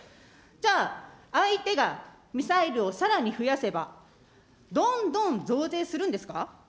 じゃあ、相手がミサイルをさらに増やせば、どんどん増税するんですか。